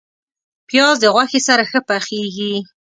پیاز د غوښې سره ښه پخیږي